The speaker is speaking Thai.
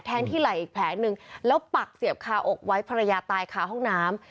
ที่ไหล่อีกแผลหนึ่งแล้วปักเสียบคาอกไว้ภรรยาตายคาห้องน้ำ